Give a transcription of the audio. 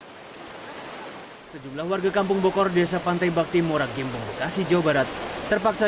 hai sejumlah warga kampung bokor desa pantai baktimurak gimpung bekasi jawa barat terpaksa